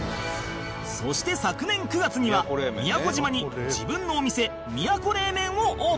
そして昨年９月には宮古島に自分のお店宮古冷麺をオープン